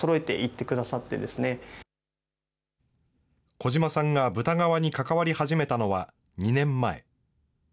児嶋さんが豚革に関わり始めたのは２年前。